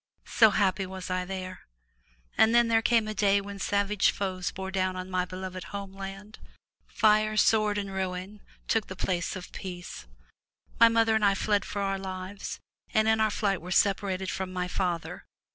So happy was I there! And then there came a day when savage foes bore down on my beloved homeland. Fire, sword and ruin took the place of peace. My mother and I fled for our lives, and in our flight were separated from my father.